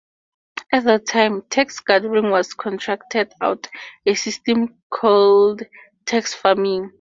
At that time, tax-gathering was contracted out, a system called tax farming.